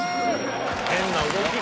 変な動き。